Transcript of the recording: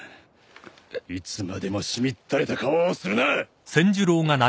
いつまでもしみったれた顔をするな！